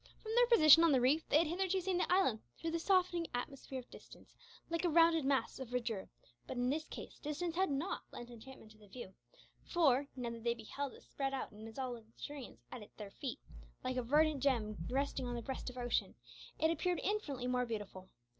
From their position on the reef they had hitherto seen the island through the softening atmosphere of distance, like a rounded mass of verdure; but in this case distance had not "lent enchantment to the view," for, now that they beheld it spread in all its luxuriance at their feet, like a verdant gem resting on the breast of ocean, it appeared infinitely more beautiful.